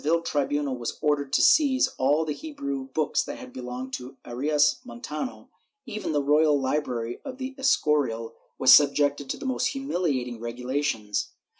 ^ In 1618, the Seville tribunal was ordered to seize all the Hebrew books that had belonged to Arias Montano.^ Even the royal library of the Escorial was subjected to the most humili ating regulations.